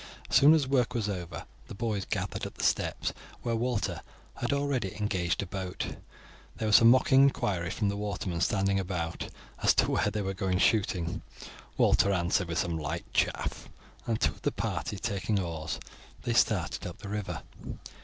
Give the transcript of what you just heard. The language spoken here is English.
As soon as work was over the boys gathered at the steps, where Walter had already engaged a boat. There were some mocking inquiries from the watermen standing about as to where they were going shooting. Walter answered with some light chaff, and, two of the party taking oars, they started up the river.